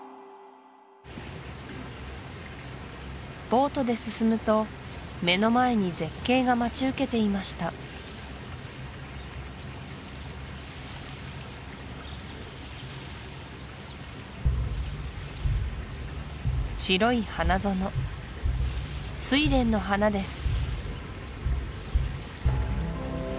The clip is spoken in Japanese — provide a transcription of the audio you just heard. ボートで進むと目の前に絶景が待ち受けていました白い花園スイレンの花です